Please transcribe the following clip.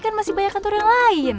kan masih banyak kantor yang lain